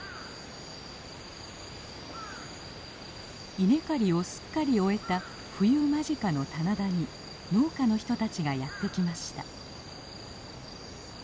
稲刈りをすっかり終えた冬間近の棚田に農家の人たちがやってきました。